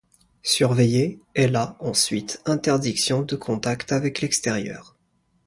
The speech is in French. Surveillée, elle a, ensuite, interdiction de contact avec l'extérieur.